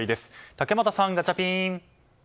竹俣さん、ガチャピン！